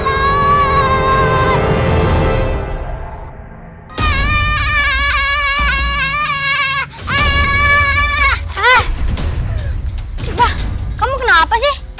kepala kamu kenapa sih